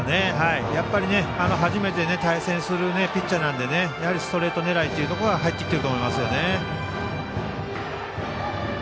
やっぱり初めて対戦するピッチャーなのでストレート狙いというところから入ってきていると思います。